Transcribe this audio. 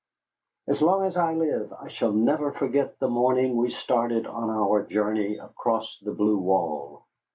As long as I live I shall never forget the morning we started on our journey across the Blue Wall.